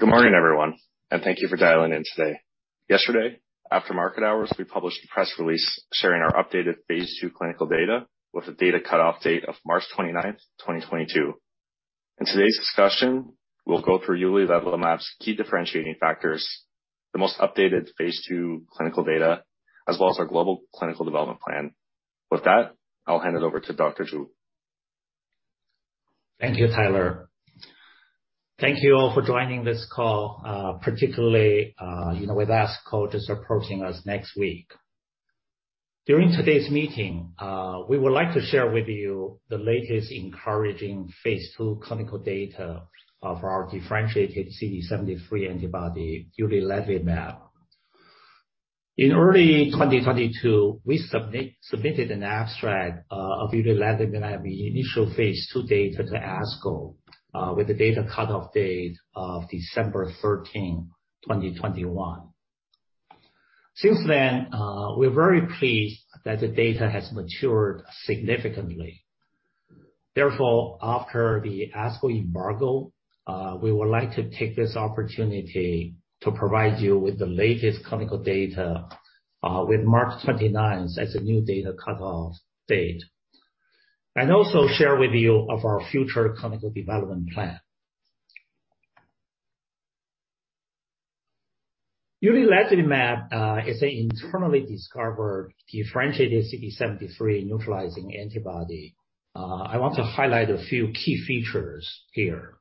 Good morning, everyone, and thank you for dialing in today. Yesterday, after market hours, we published a press release sharing our updated phase 2 clinical data with a data cutoff date of March 29, 2022. In today's discussion, we'll go through uliledlimab's key differentiating factors, the most updated phase 2 clinical data, as well as our global clinical development plan. With that, I'll hand it over to Dr. Zhu. Thank you, Kyler. Thank you all for joining this call, particularly, you know, with ASCO just approaching us next week. During today's meeting, we would like to share with you the latest encouraging phase 2 clinical data of our differentiated CD73 antibody, uliledlimab. In early 2022, we submitted an abstract of uliledlimab initial phase 2 data to ASCO, with a data cutoff date of December 13, 2021. Since then, we're very pleased that the data has matured significantly. Therefore, after the ASCO embargo, we would like to take this opportunity to provide you with the latest clinical data, with March 29 as a new data cutoff date, and also share with you our future clinical development plan. Uliledlimab is an internally discovered differentiated CD73 neutralizing antibody. I want to highlight a few key features here.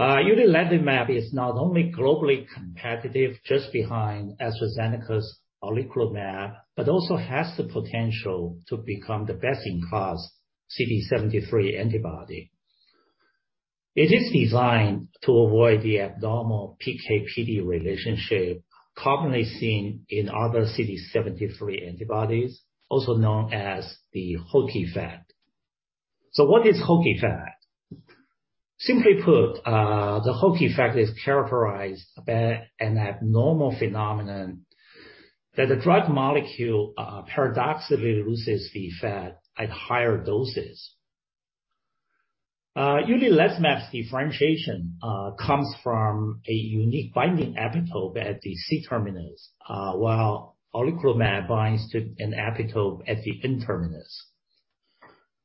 Uliledlimab is not only globally competitive, just behind AstraZeneca's oleclumab, but also has the potential to become the best-in-class CD73 antibody. It is designed to avoid the abnormal PK/PD relationship commonly seen in other CD73 antibodies, also known as the Hook effect. What is Hook effect? Simply put, the Hook effect is characterized by an abnormal phenomenon that the drug molecule paradoxically loses effect at higher doses. Uliledlimab's differentiation comes from a unique binding epitope at the C-terminus, while oleclumab binds to an epitope at the N-terminus.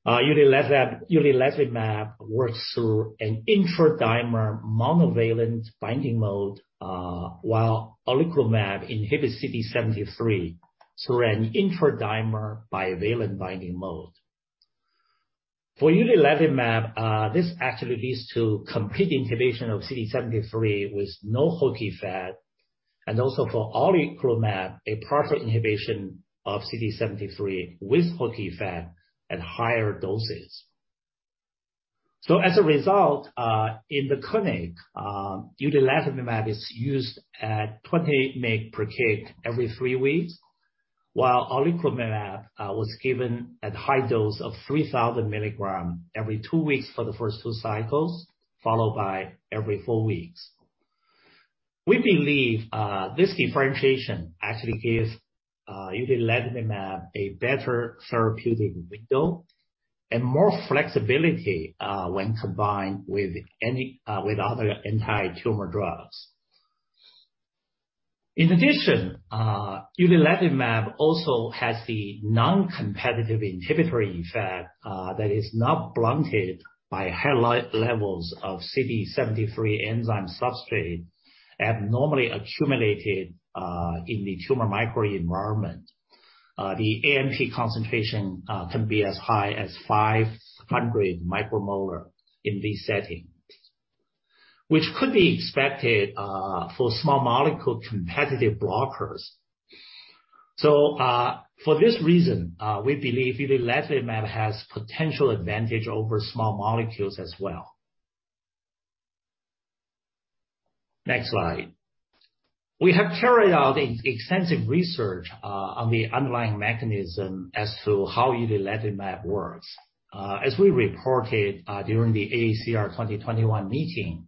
Uliledlimab works through an intra-dimer monovalent binding mode, while oleclumab inhibits CD73 through an intra-dimer bivalent binding mode. For uliledlimab, this actually leads to complete inhibition of CD73 with no Hook effect, and also for oleclumab, a partial inhibition of CD73 with Hook effect at higher doses. As a result, in the clinic, uliledlimab is used at 20 mg per kg every 3 weeks, while oleclumab was given at high dose of 3,000 milligrams every 2 weeks for the first 2 cycles, followed by every 4 weeks. We believe this differentiation actually gives uliledlimab a better therapeutic window and more flexibility when combined with other anti-tumor drugs. In addition, uliledlimab also has the non-competitive inhibitory effect that is not blunted by high levels of CD73 enzyme substrate abnormally accumulated in the tumor microenvironment. The AMP concentration can be as high as 500 micromolar in these settings, which could be expected for small molecule competitive blockers. For this reason, we believe uliledlimab has potential advantage over small molecules as well. Next slide. We have carried out extensive research on the underlying mechanism as to how uliledlimab works. As we reported during the AACR 2021 meeting,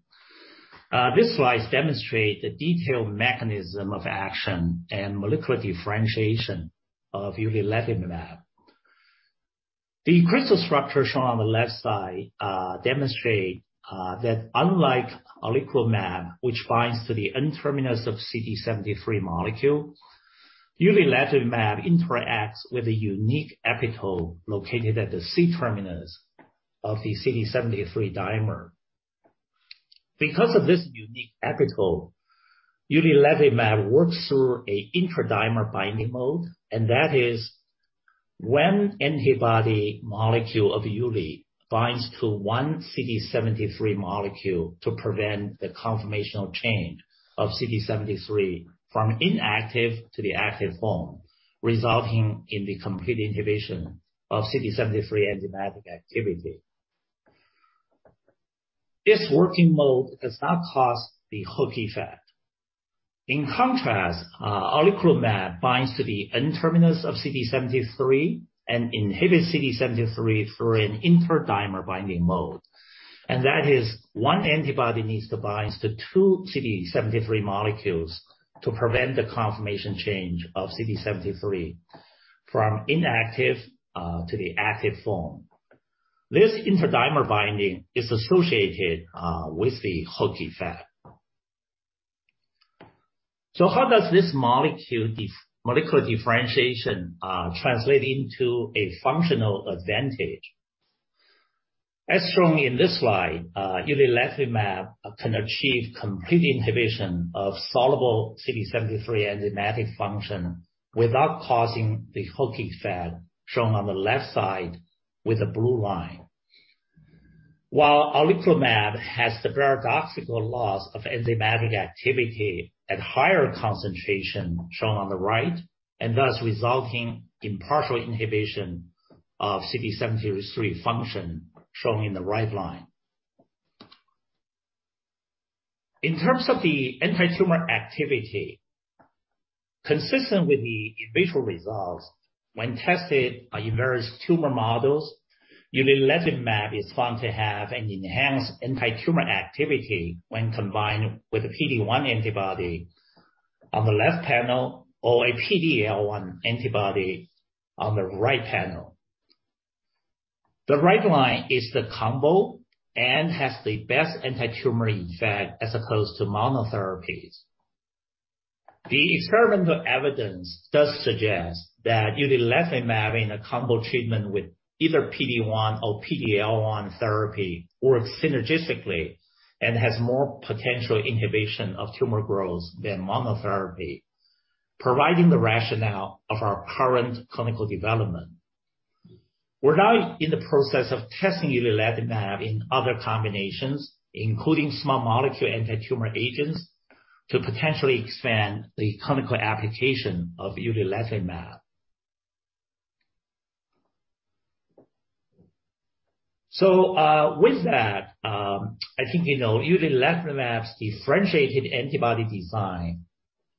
this slide demonstrate the detailed mechanism of action and molecular differentiation of uliledlimab. The crystal structure shown on the left side demonstrate that unlike oleclumab, which binds to the N-terminus of CD73 molecule, uliledlimab interacts with a unique epitope located at the C-terminus of the CD73 dimer. Because of this unique epitope, uliledlimab works through an intra-dimer binding mode, and that is one antibody molecule of uliledlimab binds to one CD73 molecule to prevent the conformational change of CD73 from inactive to the active form, resulting in the complete inhibition of CD73 enzymatic activity. This working mode does not cause the Hook effect. In contrast, oleclumab binds to the N-terminus of CD73 and inhibits CD73 through an intra-dimer binding mode. That is one antibody needs to bind to two CD73 molecules to prevent the conformational change of CD73 from inactive to the active form. This intradimer binding is associated with the Hook effect. How does this molecular differentiation translate into a functional advantage? As shown in this slide, uliledlimab can achieve complete inhibition of soluble CD73 enzymatic function without causing the hook effect shown on the left side with a blue line. While oleclumab has the paradoxical loss of enzymatic activity at higher concentration, shown on the right, and thus resulting in partial inhibition of CD73 function, shown in the right line. In terms of the antitumor activity, consistent with the in vitro results, when tested on various tumor models, uliledlimab is found to have an enhanced antitumor activity when combined with a PD-1 antibody on the left panel or a PD-L1 antibody on the right panel. The right line is the combo and has the best antitumor effect as opposed to monotherapies. The experimental evidence does suggest that uliledlimab in a combo treatment with either PD-1 or PD-L1 therapy works synergistically and has more potential inhibition of tumor growth than monotherapy, providing the rationale of our current clinical development. We're now in the process of testing uliledlimab in other combinations, including small molecule antitumor agents, to potentially expand the clinical application of uliledlimab. With that, I think you know uliledlimab's differentiated antibody design,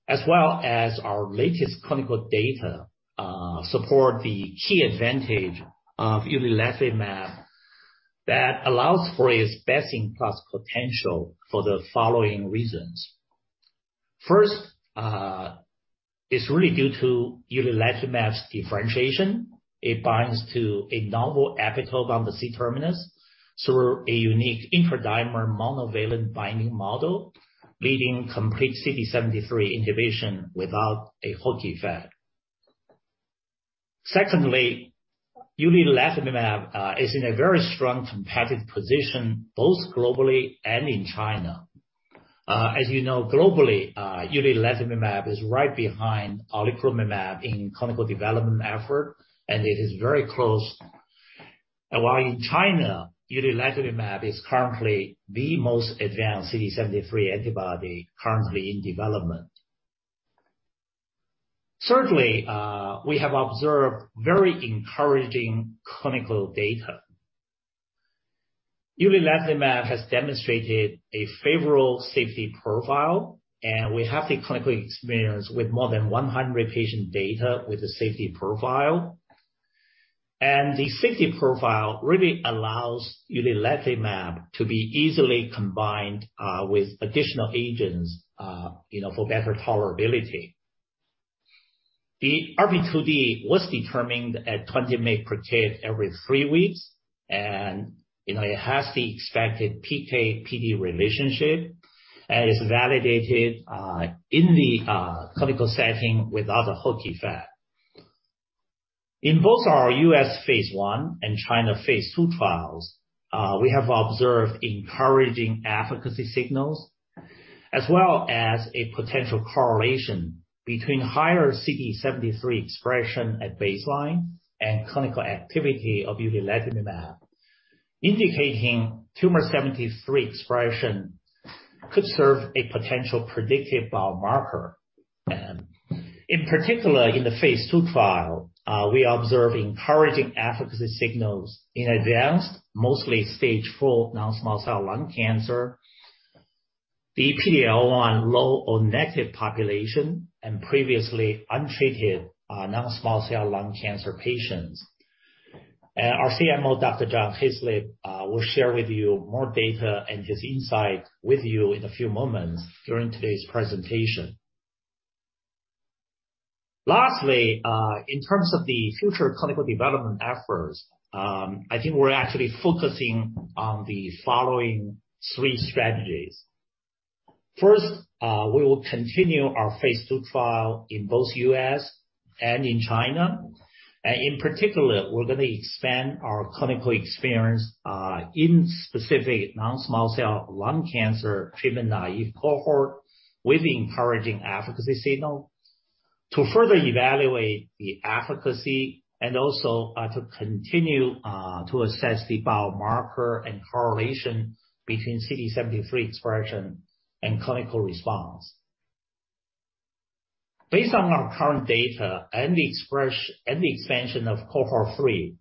as well as our latest clinical data, support the key advantage of uliledlimab that allows for its best-in-class potential for the following reasons. First, it's really due to uliledlimab's differentiation. It binds to a novel epitope on the C-terminus through a unique intradimer monovalent binding model, leading complete CD73 inhibition without a hook effect. Secondly, uliledlimab is in a very strong competitive position, both globally and in China. As you know, globally, uliledlimab is right behind oleclumab in clinical development effort, and it is very close. While in China, uliledlimab is currently the most advanced CD73 antibody currently in development. Thirdly, we have observed very encouraging clinical data. Uliledlimab has demonstrated a favorable safety profile, and we have the clinical experience with more than 100 patient data with the safety profile. The safety profile really allows uliledlimab to be easily combined, with additional agents, you know, for better tolerability. The RP2D was determined at 20 mg/kg every three weeks, and, you know, it has the expected PK/PD relationship and is validated, in the clinical setting without a hook effect. In both our U.S. phase I and China phase II trials, we have observed encouraging efficacy signals as well as a potential correlation between higher CD73 expression at baseline and clinical activity of uliledlimab, indicating tumor CD73 expression could serve a potential predictive biomarker. In particular, in the phase II trial, we observed encouraging efficacy signals in advanced, mostly stage IV non-small cell lung cancer, PD-L1 low or negative population, and previously untreated non-small cell lung cancer patients. Our CMO, Dr. John Hayslip, will share with you more data and his insight with you in a few moments during today's presentation. Lastly, in terms of the future clinical development efforts, I think we're actually focusing on the following three strategies. First, we will continue our phase II trial in both U.S. and in China. In particular, we're going to expand our clinical experience in specific non-small cell lung cancer treatment-naive cohort with encouraging efficacy signal to further evaluate the efficacy and also to continue to assess the biomarker and correlation between CD73 expression and clinical response. Based on our current data and the expansion of cohort 3,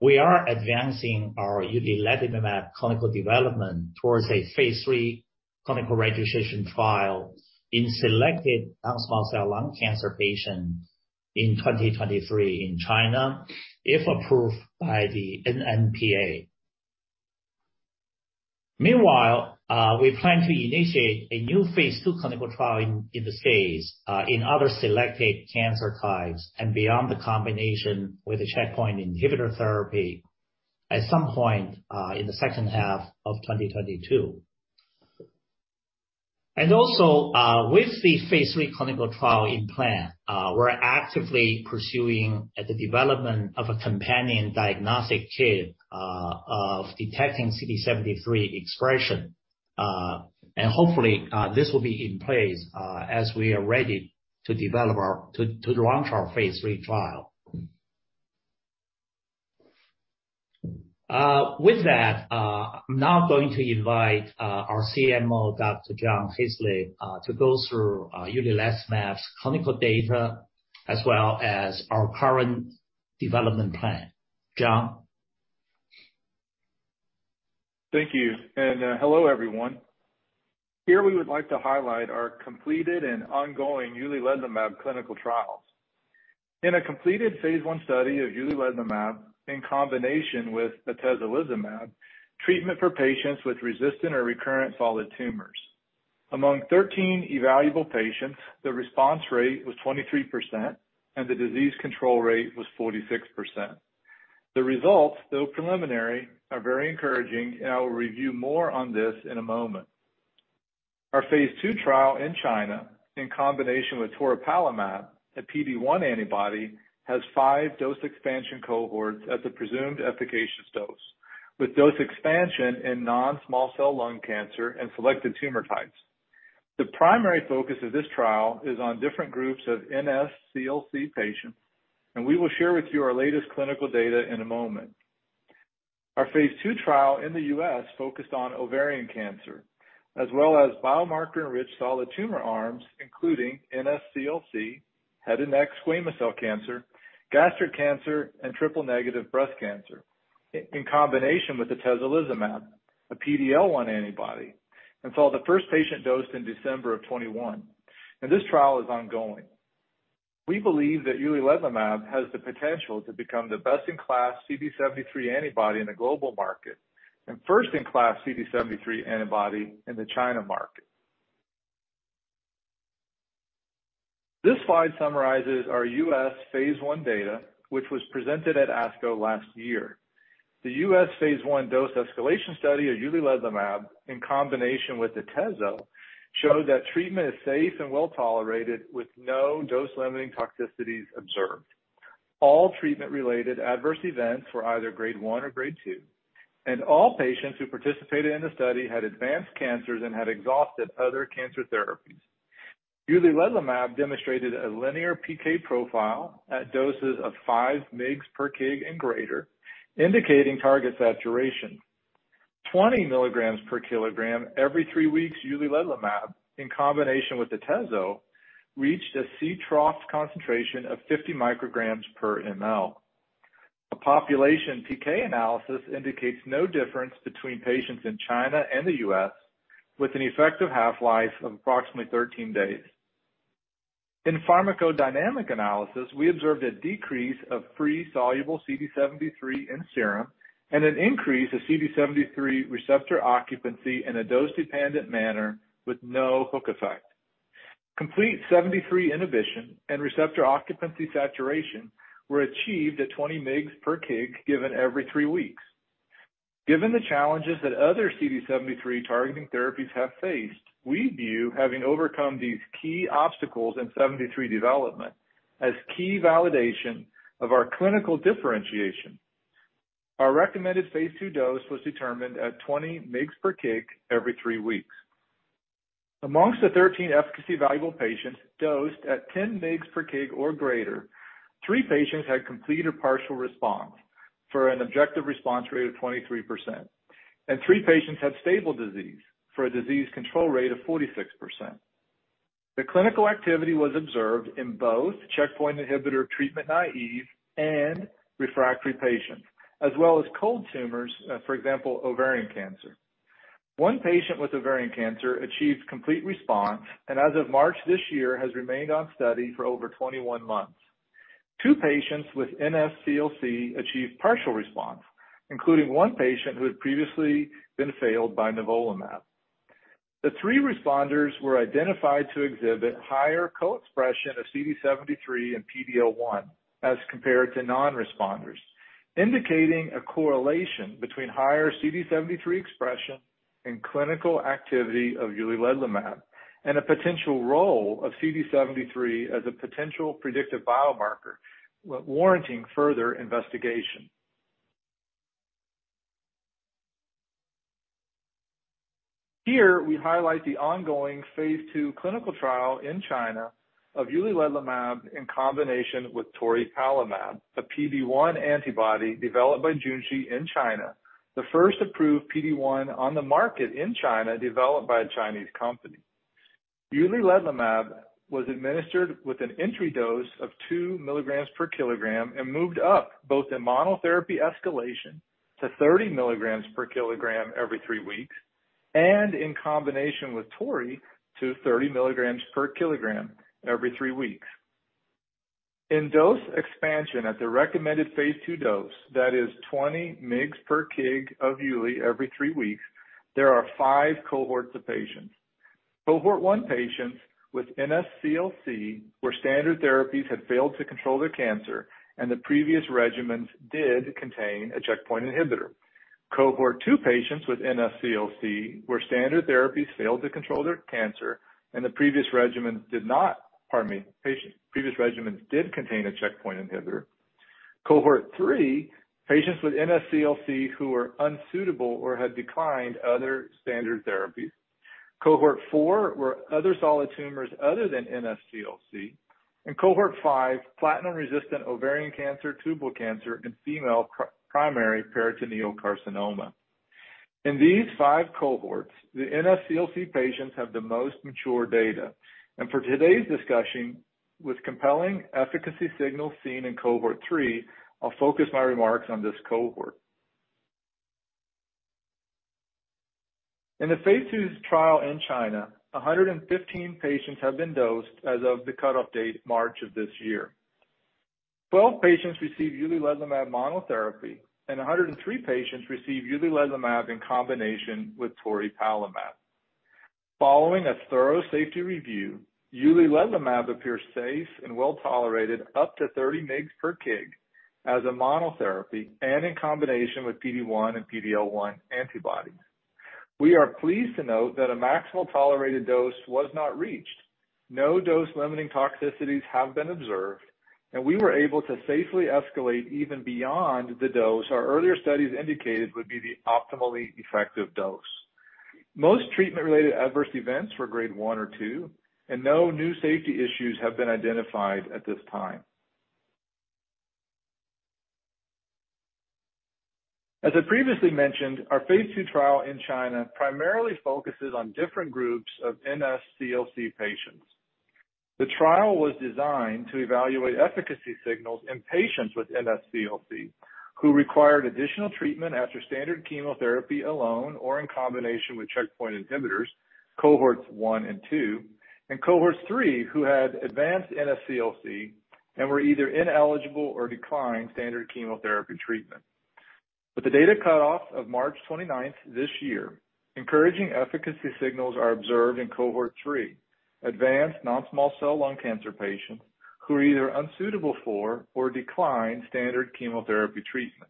we are advancing our uliledlimab clinical development towards a phase III clinical registration trial in selected non-small cell lung cancer patients in 2023 in China, if approved by the NMPA. Meanwhile, we plan to initiate a new phase 2 clinical trial in the States in other selected cancer types and beyond the combination with a checkpoint inhibitor therapy at some point in the second half of 2022. Also, with the phase three clinical trial in plan, we're actively pursuing the development of a companion diagnostic kit of detecting CD73 expression. Hopefully, this will be in place as we are ready to launch our phase three trial. With that, I'm now going to invite our CMO, Dr. John Hayslip, to go through uliledlimab's clinical data as well as our current development plan. John? Thank you. Hello, everyone. Here we would like to highlight our completed and ongoing uliledlimab clinical trials. In a completed phase 1 study of uliledlimab in combination with atezolizumab, treatment for patients with resistant or recurrent solid tumors. Among 13 evaluable patients, the response rate was 23%, and the disease control rate was 46%. The results, though preliminary, are very encouraging, and I will review more on this in a moment. Our phase 2 trial in China in combination with toripalimab, a PD-1 antibody, has 5 dose expansion cohorts at the presumed efficacious dose, with dose expansion in non-small cell lung cancer and selected tumor types. The primary focus of this trial is on different groups of NSCLC patients, and we will share with you our latest clinical data in a moment. Our phase 2 trial in the US focused on ovarian cancer, as well as biomarker-enriched solid tumor arms, including NSCLC, head and neck squamous cell cancer, gastric cancer, and triple-negative breast cancer in combination with atezolizumab, a PD-L1 antibody, and saw the first patient dosed in December 2021. This trial is ongoing. We believe that uliledlimab has the potential to become the best-in-class CD73 antibody in the global market and first-in-class CD73 antibody in the China market. This slide summarizes our US phase 1 data, which was presented at ASCO last year. The US phase 1 dose escalation study of uliledlimab in combination with atezo showed that treatment is safe and well-tolerated with no dose-limiting toxicities observed. All treatment-related adverse events were either grade 1 or grade 2. All patients who participated in the study had advanced cancers and had exhausted other cancer therapies. Uliledlimab demonstrated a linear PK profile at doses of 5 mg/kg and greater, indicating target saturation. 20 mg/kg every three weeks uliledlimab in combination with atezo reached a C_trough concentration of 50 μg/ml. A population PK analysis indicates no difference between patients in China and the U.S., with an effective half-life of approximately 13 days. In pharmacodynamic analysis, we observed a decrease of free soluble CD73 in serum and an increase of CD73 receptor occupancy in a dose-dependent manner with no hook effect. Complete CD73 inhibition and receptor occupancy saturation were achieved at 20 mg/kg given every three weeks. Given the challenges that other CD73 targeting therapies have faced, we view having overcome these key obstacles in CD73 development as key validation of our clinical differentiation. Our recommended phase 2 dose was determined at 20 mg/kg every three weeks. Among the 13 efficacy-evaluable patients dosed at 10 mg/kg or greater, three patients had complete or partial response for an objective response rate of 23%, and three patients had stable disease for a disease control rate of 46%. The clinical activity was observed in both checkpoint inhibitor treatment naïve and refractory patients, as well as cold tumors, for example, ovarian cancer. One patient with ovarian cancer achieved complete response and as of March this year has remained on study for over 21 months. Two patients with NSCLC achieved partial response, including one patient who had previously been failed by nivolumab. The three responders were identified to exhibit higher co-expression of CD73 and PD-L1 as compared to non-responders, indicating a correlation between higher CD73 expression and clinical activity of uliledlimab and a potential role of CD73 as a potential predictive biomarker warranting further investigation. We highlight the ongoing phase 2 clinical trial in China of uliledlimab in combination with toripalimab, a PD-1 antibody developed by Junshi in China, the first approved PD-1 on the market in China developed by a Chinese company. Uliledlimab was administered with an entry dose of 2 milligrams per kilogram and moved up both in monotherapy escalation to 30 milligrams per kilogram every 3 weeks and in combination with tori to 30 milligrams per kilogram every 3 weeks. In dose expansion at the recommended phase 2 dose, that is 20 mg/kg of Uli every 3 weeks, there are 5 cohorts of patients. Cohort 1 patients with NSCLC where standard therapies had failed to control their cancer and the previous regimens did contain a checkpoint inhibitor. Cohort 2 patients with NSCLC where standard therapies failed to control their cancer and the previous regimens did contain a checkpoint inhibitor. Cohort 3, patients with NSCLC who were unsuitable or had declined other standard therapies. Cohort 4 were other solid tumors other than NSCLC, and cohort 5, platinum-resistant ovarian cancer, tubal cancer, and female primary peritoneal carcinoma. In these 5 cohorts, the NSCLC patients have the most mature data. For today's discussion, with compelling efficacy signals seen in cohort 3, I'll focus my remarks on this cohort. In the phase 2 trial in China, 115 patients have been dosed as of the cutoff date, March of this year. 12 patients received uliledlimab monotherapy, and 103 patients received uliledlimab in combination with toripalimab. Following a thorough safety review, uliledlimab appears safe and well-tolerated up to 30 mg/kg as a monotherapy and in combination with PD-1 and PD-L1 antibodies. We are pleased to note that a maximal tolerated dose was not reached. No dose-limiting toxicities have been observed, and we were able to safely escalate even beyond the dose our earlier studies indicated would be the optimally effective dose. Most treatment-related adverse events were grade one or two, and no new safety issues have been identified at this time. As I previously mentioned, our phase two trial in China primarily focuses on different groups of NSCLC patients. The trial was designed to evaluate efficacy signals in patients with NSCLC who required additional treatment after standard chemotherapy alone or in combination with checkpoint inhibitors, cohorts 1 and 2, and cohort 3, who had advanced NSCLC and were either ineligible or declined standard chemotherapy treatment. With the data cutoff of March 29th this year, encouraging efficacy signals are observed in cohort 3, advanced non-small cell lung cancer patients who are either unsuitable for or decline standard chemotherapy treatments.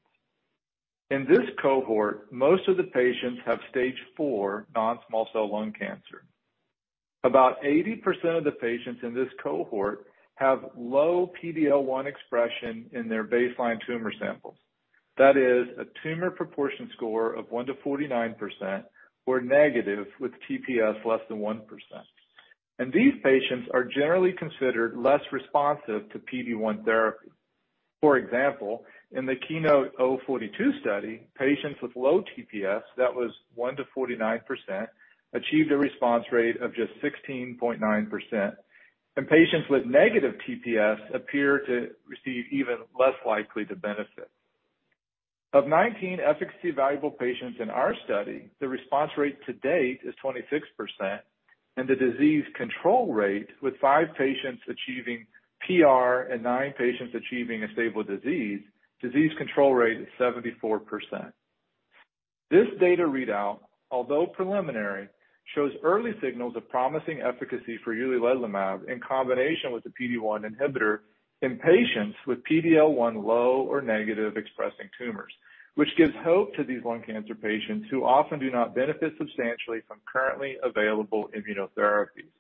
In this cohort, most of the patients have stage 4 non-small cell lung cancer. About 80% of the patients in this cohort have low PD-L1 expression in their baseline tumor samples. That is a tumor proportion score of 1%-49% or negative with TPS less than 1%. These patients are generally considered less responsive to PD-1 therapy. For example, in the KEYNOTE-042 study, patients with low TPS, that was 1%-49%, and patients with negative TPS appeared even less likely to benefit. Of 19 efficacy-evaluable patients in our study, the response rate to date is 26%, and the disease control rate, with 5 patients achieving PR and 9 patients achieving stable disease, is 74%. This data readout, although preliminary, shows early signals of promising efficacy for uliledlimab in combination with a PD-1 inhibitor in patients with PD-L1-low or negative-expressing tumors, which gives hope to these lung cancer patients who often do not benefit substantially from currently available immunotherapies.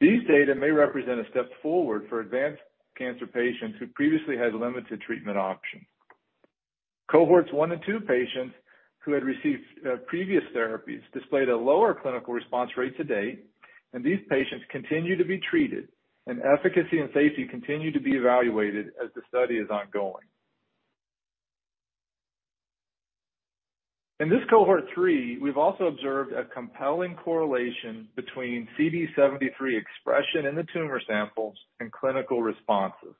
These data may represent a step forward for advanced cancer patients who previously had limited treatment options. Cohorts 1 and 2 patients who had received previous therapies displayed a lower clinical response rate to date, and these patients continue to be treated, and efficacy and safety continue to be evaluated as the study is ongoing. In this cohort 3, we've also observed a compelling correlation between CD73 expression in the tumor samples and clinical responses.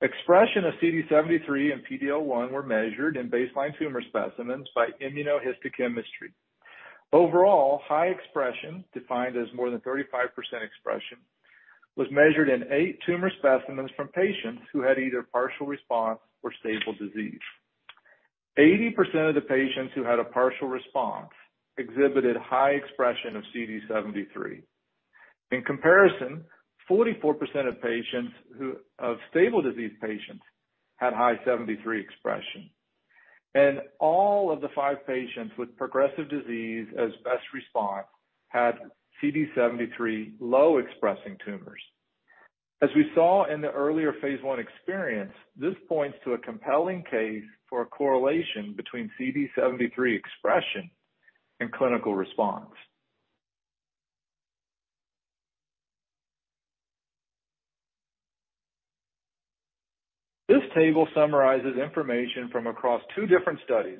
Expression of CD73 and PD-L1 were measured in baseline tumor specimens by immunohistochemistry. Overall, high expression, defined as more than 35% expression, was measured in 8 tumor specimens from patients who had either partial response or stable disease. 80% of the patients who had a partial response exhibited high expression of CD73. In comparison, 44% of stable disease patients had high CD73 expression. All of the 5 patients with progressive disease as best response had CD73 low expressing tumors. As we saw in the earlier phase 1 experience, this points to a compelling case for a correlation between CD73 expression and clinical response. This table summarizes information from across two different studies,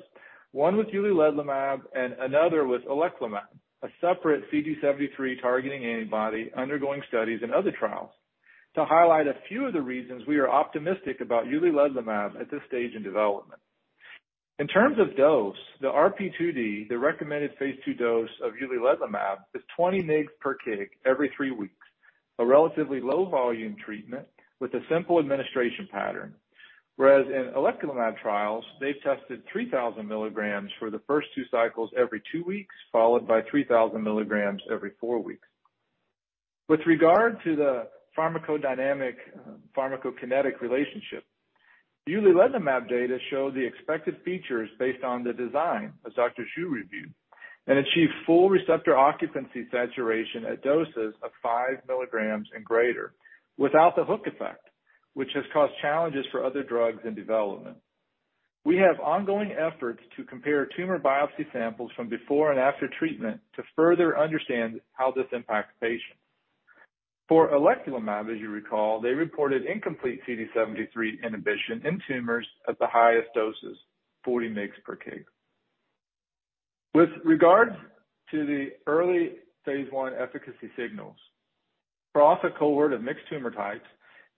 one with uliledlimab and another with oleclumab, a separate CD73 targeting antibody undergoing studies and other trials, to highlight a few of the reasons we are optimistic about uliledlimab at this stage in development. In terms of dose, the RP2D, the recommended phase 2 dose of uliledlimab is 20 mg per kg every 3 weeks, a relatively low volume treatment with a simple administration pattern. Whereas in oleclumab trials, they've tested 3,000 mg for the first 2 cycles every 2 weeks, followed by 3,000 mg every 4 weeks. With regard to the pharmacodynamic pharmacokinetic relationship, uliledlimab data showed the expected features based on the design, as Dr. Zhu reviewed, and achieved full receptor occupancy saturation at doses of 5 mg and greater without the hook effect, which has caused challenges for other drugs in development. We have ongoing efforts to compare tumor biopsy samples from before and after treatment to further understand how this impacts patients. For oleclumab, as you recall, they reported incomplete CD73 inhibition in tumors at the highest doses, 40 mg/kg. With regard to the early phase 1 efficacy signals, for also cohort of mixed tumor types,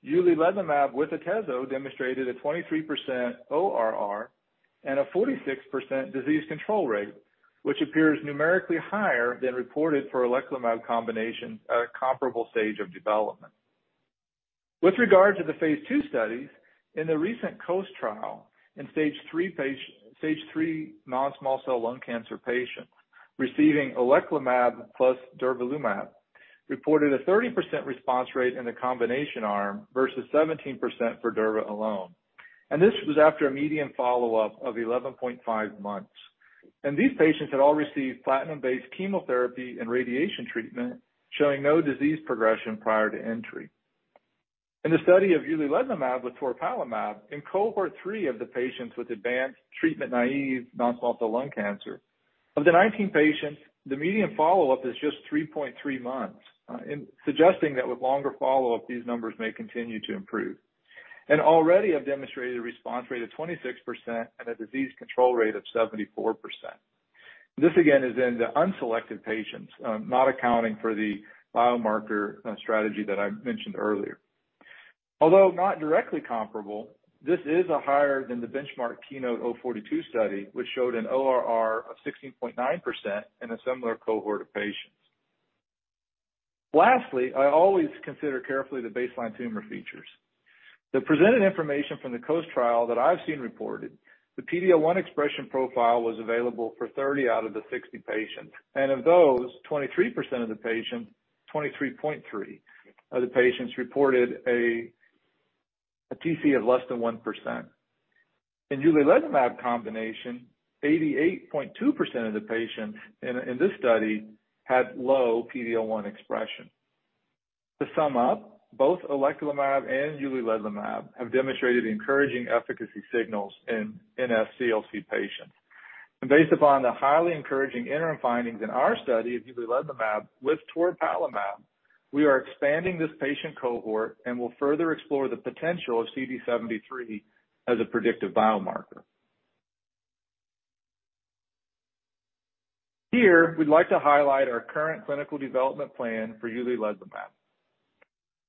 uliledlimab with atezo demonstrated a 23% ORR and a 46% disease control rate, which appears numerically higher than reported for oleclumab combination at a comparable stage of development. With regard to the phase two studies, in the recent COAST trial in stage three non-small cell lung cancer patients receiving oleclumab plus durvalumab, reported a 30% response rate in the combination arm versus 17% for durva alone. This was after a median follow-up of 11.5 months. These patients had all received platinum-based chemotherapy and radiation treatment, showing no disease progression prior to entry. In the study of uliledlimab with toripalimab, in cohort 3 of the patients with advanced treatment-naive non-small cell lung cancer, of the 19 patients, the median follow-up is just 3.3 months, in suggesting that with longer follow-up, these numbers may continue to improve, and already have demonstrated a response rate of 26% and a disease control rate of 74%. This again is in the unselected patients, not accounting for the biomarker strategy that I mentioned earlier. Although not directly comparable, this is a higher than the benchmark KEYNOTE-042 study, which showed an ORR of 16.9% in a similar cohort of patients. Lastly, I always consider carefully the baseline tumor features. The presented information from the COAST trial that I've seen reported, the PD-L1 expression profile was available for 30 out of the 60 patients, and of those, 23.3% of the patients reported a TC of less than 1%. In uliledlimab combination, 88.2% of the patients in this study had low PD-L1 expression. To sum up, both atezolizumab and uliledlimab have demonstrated encouraging efficacy signals in NSCLC patients. Based upon the highly encouraging interim findings in our study of uliledlimab with toripalimab, we are expanding this patient cohort and will further explore the potential of CD seventy-three as a predictive biomarker. Here, we'd like to highlight our current clinical development plan for uliledlimab.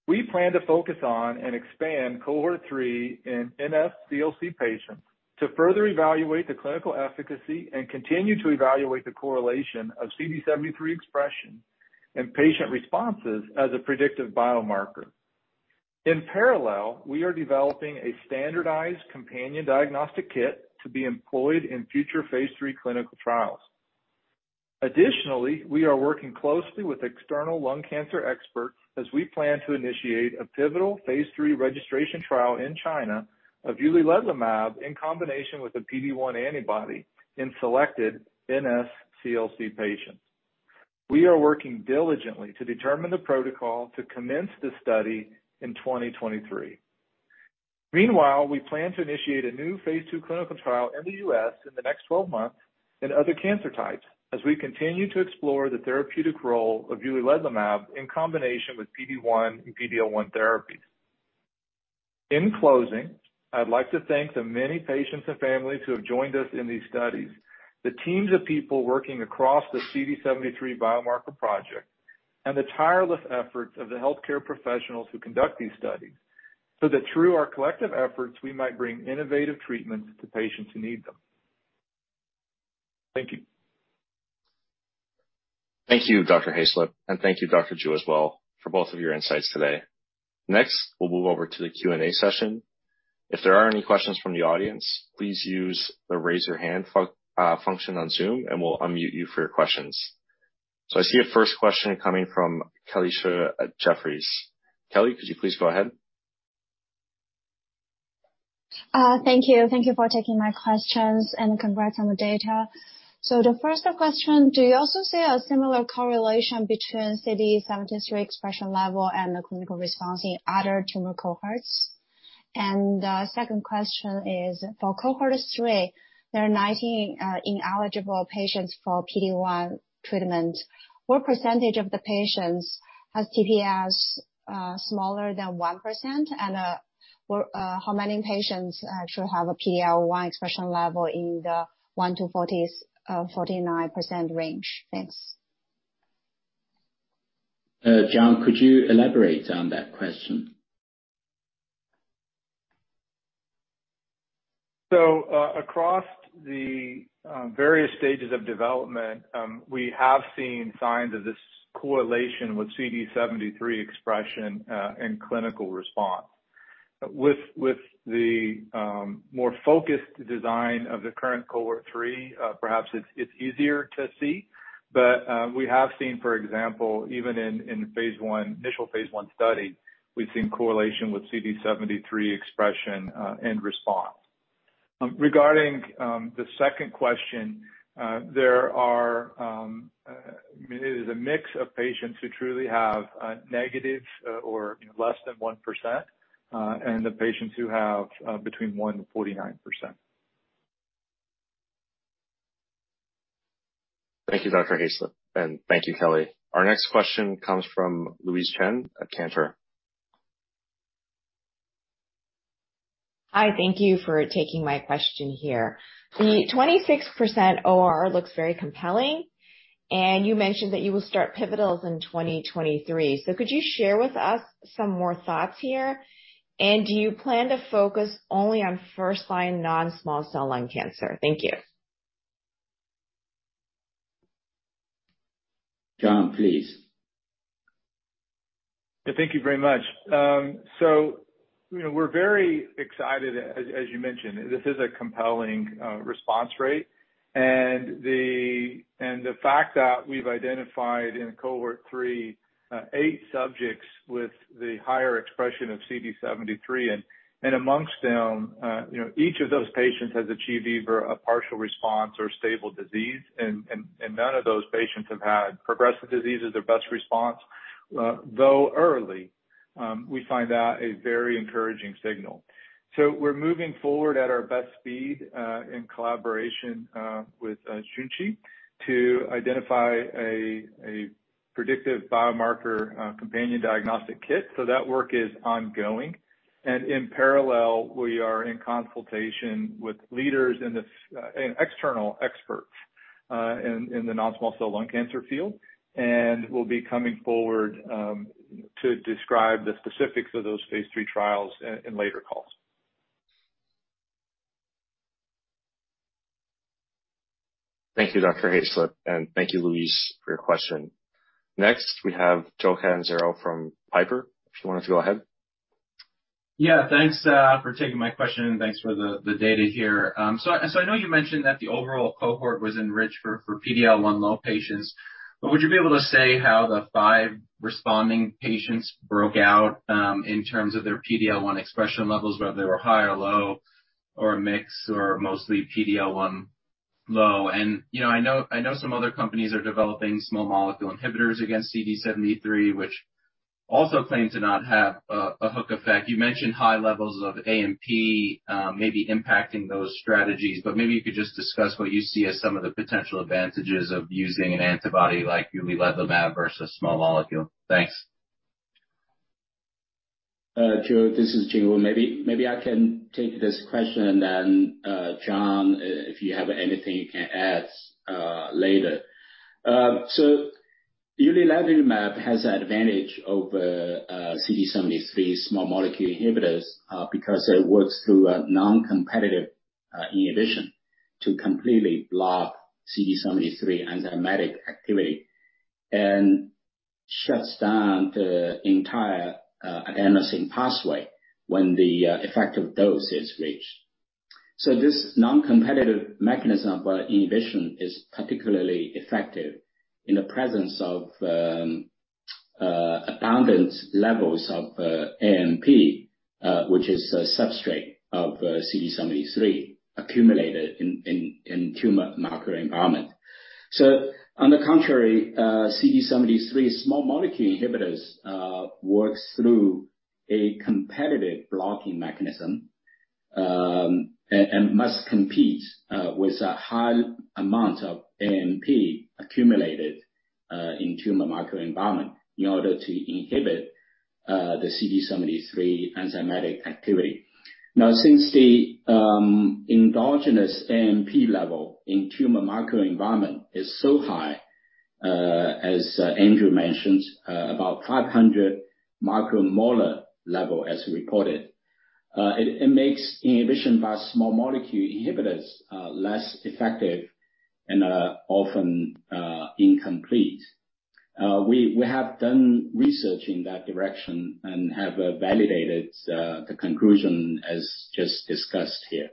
We plan to focus on and expand cohort three in NSCLC patients to further evaluate the clinical efficacy and continue to evaluate the correlation of CD seventy-three expression and patient responses as a predictive biomarker. In parallel, we are developing a standardized companion diagnostic kit to be employed in future phase 3 clinical trials. Additionally, we are working closely with external lung cancer experts as we plan to initiate a pivotal phase 3 registration trial in China of uliledlimab in combination with a PD-1 antibody in selected NSCLC patients. We are working diligently to determine the protocol to commence this study in 2023. Meanwhile, we plan to initiate a new phase 2 clinical trial in the U.S. in the next 12 months in other cancer types as we continue to explore the therapeutic role of uliledlimab in combination with PD-1 and PD-L1 therapies. In closing, I'd like to thank the many patients and families who have joined us in these studies, the teams of people working across the CD73 biomarker project, and the tireless efforts of the healthcare professionals who conduct these studies, so that through our collective efforts, we might bring innovative treatments to patients who need them. Thank you. Thank you, Dr. John Hayslip, and thank you, Dr. Zhu, as well, for both of your insights today. Next, we'll move over to the Q&A session. If there are any questions from the audience, please use the raise your hand function on Zoom, and we'll unmute you for your questions. I see a first question coming from Kelly Xu at Jefferies. Kelly, could you please go ahead? Thank you. Thank you for taking my questions, and congrats on the data. The first question, do you also see a similar correlation between CD73 expression level and the clinical response in other tumor cohorts? Second question is, for cohort three, there are 19 ineligible patients for PD-1 treatment. What percentage of the patients has TPS smaller than 1%? What, how many patients actually have a PD-L1 expression level in the 1%-49% range? Thanks. John, could you elaborate on that question? Across the various stages of development, we have seen signs of this correlation with CD73 expression in clinical response. With the more focused design of the current cohort three, perhaps it's easier to see. We have seen, for example, even in phase one, initial phase one study, we've seen correlation with CD73 expression and response. Regarding the second question, it is a mix of patients who truly have a negative or less than 1% and the patients who have between 1% and 49%. Thank you, Dr. Hayslip, and thank you, Kelly. Our next question comes from Louise Chen at Cantor. Hi, thank you for taking my question here. The 26% OR looks very compelling, and you mentioned that you will start pivotals in 2023. Could you share with us some more thoughts here? Do you plan to focus only on first-line non-small cell lung cancer? Thank you. John, please. Thank you very much. You know, we're very excited. As you mentioned, this is a compelling response rate. The fact that we've identified in cohort 3, eight subjects with the higher expression of CD73 and amongst them, you know, each of those patients has achieved either a partial response or stable disease. None of those patients have had progressive disease as their best response, though early. We find that a very encouraging signal. We're moving forward at our best speed in collaboration with Junshi to identify a predictive biomarker companion diagnostic kit. That work is ongoing. In parallel, we are in consultation with leaders and this and external experts in the non-small cell lung cancer field. We'll be coming forward to describe the specifics of those phase 3 trials in later calls. Thank you, Dr. Hayslip, and thank you, Louise, for your question. Next, we have Joseph Catanzaro from Piper Sandler, if you wanted to go ahead. Yeah. Thanks for taking my question, and thanks for the data here. I know you mentioned that the overall cohort was enriched for PD-L1 low patients, but would you be able to say how the five responding patients broke out in terms of their PD-L1 expression levels, whether they were high or low or a mix or mostly PD-L1 low? You know, I know some other companies are developing small molecule inhibitors against CD73, which also claim to not have a hook effect. You mentioned high levels of AMP maybe impacting those strategies, but maybe you could just discuss what you see as some of the potential advantages of using an antibody like uliledlimab versus small molecule. Thanks. Joe, this is Jingwu. Maybe I can take this question and then, John, if you have anything you can add, later. Uli-levimab has advantage over CD73 small molecule inhibitors because it works through a non-competitive inhibition to completely block CD73 enzymatic activity and shuts down the entire adenosine pathway when the effective dose is reached. This non-competitive mechanism of inhibition is particularly effective in the presence of abundant levels of AMP, which is a substrate of CD73 accumulated in tumor microenvironment. On the contrary, CD73 small molecule inhibitors works through a competitive blocking mechanism and must compete with a high amount of AMP accumulated in tumor microenvironment in order to inhibit the CD73 enzymatic activity. Now, since the endogenous AMP level in tumor microenvironment is so high, as Andrew mentioned, about 500 micromolar level as reported, it makes inhibition by small molecule inhibitors less effective and often incomplete. We have done research in that direction and have validated the conclusion as just discussed here.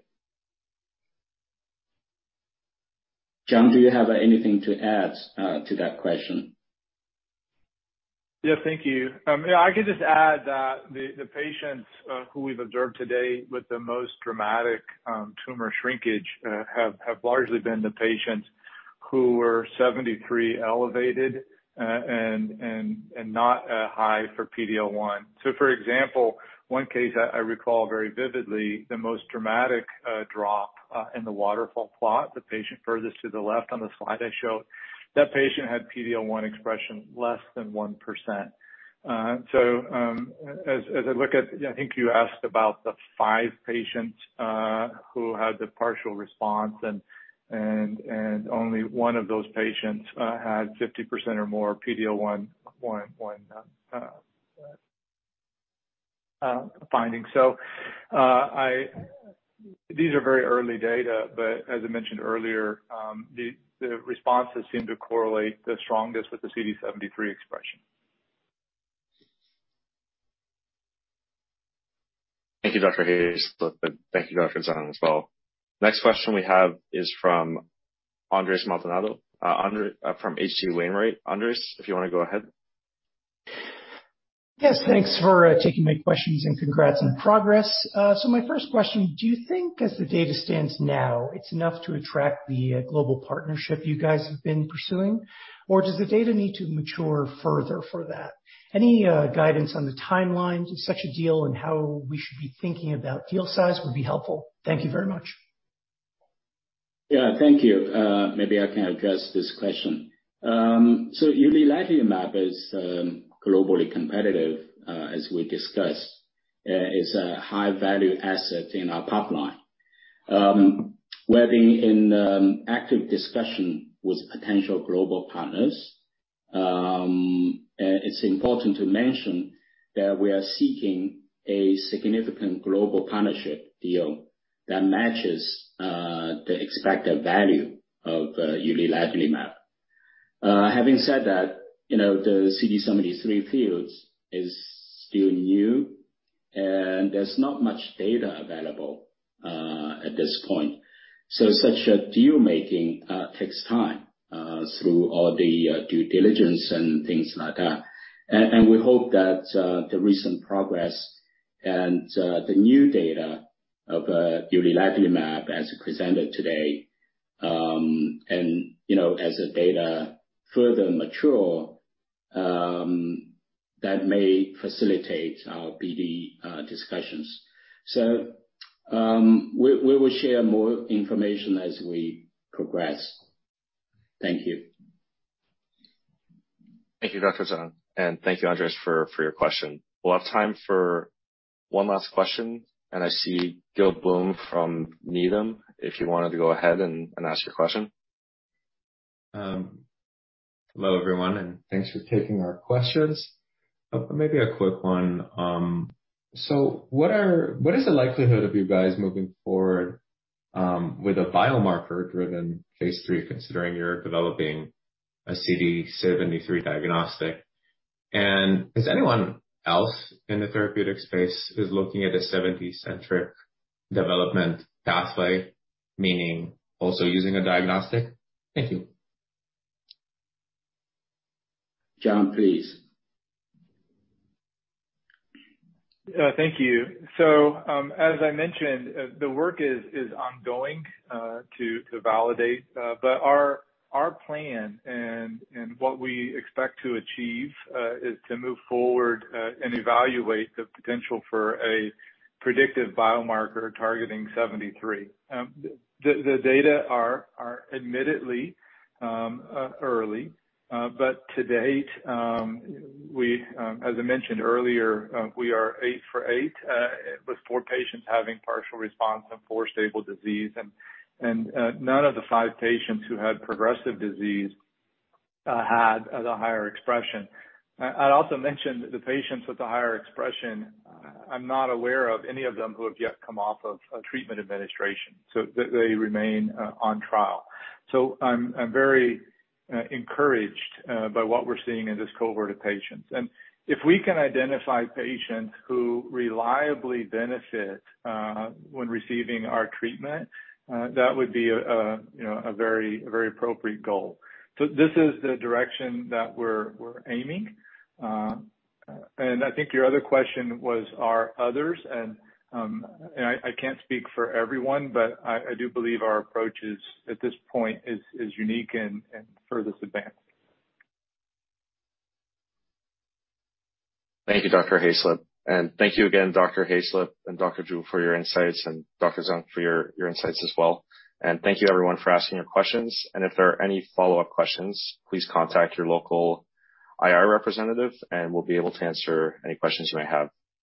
John, do you have anything to add to that question? Yeah. Thank you. Yeah, I can just add that the patients who we've observed today with the most dramatic tumor shrinkage have largely been the patients who were CD73 elevated and not high for PD-L1. For example, one case I recall very vividly the most dramatic drop in the waterfall plot, the patient furthest to the left on the slide I showed, that patient had PD-L1 expression less than 1%. As I look at, I think you asked about the five patients who had the partial response and only one of those patients had 50% or more PD-L1 finding. These are very early data, but as I mentioned earlier, the responses seem to correlate the strongest with the CD73 expression. Thank you, Dr. Hayslip. Thank you, Dr. Zhu, as well. Next question we have is from Andres Maldonado from H.C. Wainwright. Andres, if you wanna go ahead. Yes, thanks for taking my questions, and congrats on progress. My first question, do you think as the data stands now, it's enough to attract the global partnership you guys have been pursuing, or does the data need to mature further for that? Any guidance on the timeline to such a deal and how we should be thinking about deal size would be helpful. Thank you very much. Yeah, thank you. Maybe I can address this question. Uliledlimab is globally competitive, as we discussed. It's a high-value asset in our pipeline. We're in active discussion with potential global partners. It's important to mention that we are seeking a significant global partnership deal that matches the expected value of uliledlimab. Having said that, you know, the CD73 field is still new, and there's not much data available at this point. Such a deal-making takes time through all the due diligence and things like that. And we hope that the recent progress and the new data of uliledlimab as presented today, and you know, as the data further mature, that may facilitate our BD discussions. We will share more information as we progress. Thank you. Thank you, Dr. Zhu, and thank you, Andres, for your question. We'll have time for one last question, and I see Gil Blum from Needham, if you wanted to go ahead and ask your question. Hello, everyone, and thanks for taking our questions. Maybe a quick one. What is the likelihood of you guys moving forward with a biomarker-driven phase 3, considering you're developing a CD73 diagnostic? Is anyone else in the therapeutic space is looking at a CD73-centric development pathway, meaning also using a diagnostic? Thank you. John, please. Thank you. As I mentioned, the work is ongoing to validate. But our plan and what we expect to achieve is to move forward and evaluate the potential for a predictive biomarker targeting CD73. The data are admittedly early, but to date, as I mentioned earlier, we are 8 for 8, with 4 patients having partial response and 4 stable disease. None of the 5 patients who had progressive disease had the higher expression. I'd also mention the patients with the higher expression, I'm not aware of any of them who have yet come off of a treatment administration, so they remain on trial. I'm very encouraged by what we're seeing in this cohort of patients. If we can identify patients who reliably benefit when receiving our treatment, that would be a you know a very appropriate goal. This is the direction that we're aiming. I think your other question was, are others? I can't speak for everyone, but I do believe our approach is at this point unique and furthest advanced. Thank you, Dr. Hayslip. Thank you again, Dr. Hayslip and Dr. Zhu for your insights and Dr. Zhu for your insights as well. Thank you everyone for asking your questions. If there are any follow-up questions, please contact your local IR representative and we'll be able to answer any questions you might have.